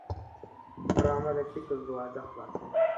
ډرامه د فکر دروازه خلاصوي